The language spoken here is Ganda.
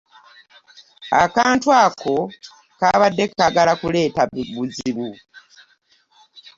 Akantu ako kaabadde kaagala kuleeta buzibu.